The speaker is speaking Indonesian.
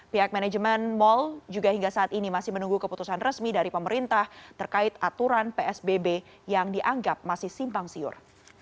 pihak manajemen mal juga hingga saat ini masih menunggu keputusan resmi dari pemerintah terkait aturan psbb yang dianggap masih simpang siur